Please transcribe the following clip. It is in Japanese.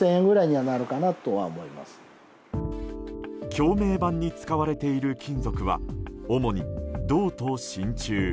橋名板に使われている金属は主に銅と真鍮。